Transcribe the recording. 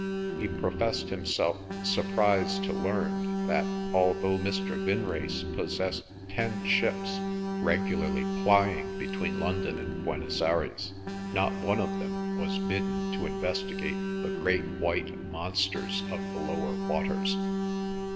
He professed himself surprised to learn that although Mr. Vinrace possessed ten ships, regularly plying between London and Buenos Aires, not one of them was bidden to investigate the great white monsters of the lower waters.